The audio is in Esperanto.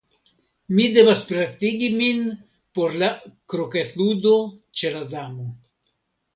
Mi devas pretigi min por la kroketludo ĉe la Damo.